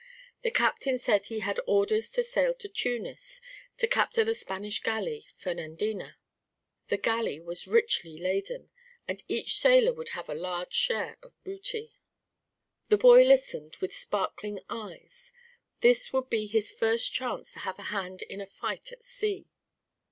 The captain said he had orders to sail to Tunis to capture the Spanish galley Fernandina. The galley was richly laden, and each sailor would have a large share of booty. The boy listened with sparkling eyes; this would be his first chance to have a hand in a fight at sea.